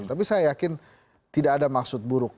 tapi saya yakin tidak ada maksud buruk